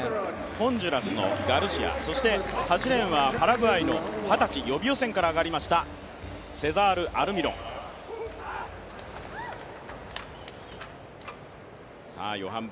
ホンジュラスのガルシア、そして、８レーンはパラグアイの二十歳予備予選から上がりましたセザール・アルミロン。